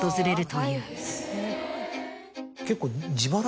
結構。